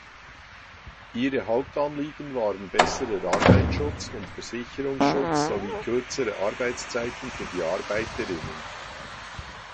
Ihre Hauptanliegen waren besserer Arbeitsschutz und Versicherungsschutz sowie kürzere Arbeitszeiten für die Arbeiterinnen.